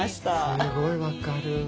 すごいわかる。